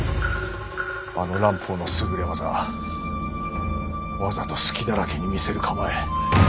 あの蘭方の優れ技わざと隙だらけに見せる構え。